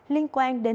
liên quan đến